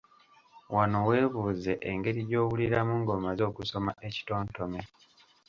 Wano weebuuze engeri gy’owuliramu ng’omaze okusoma ekitontome.